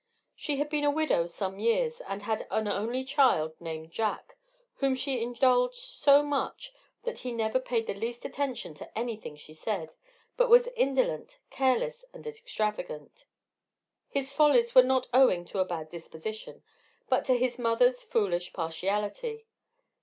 She had been a widow some years, and had an only child named Jack, whom she indulged so much that he never paid the least attention to anything she said, but was indolent, careless, and extravagant. His follies were not owing to a bad disposition, but to his mother's foolish partiality.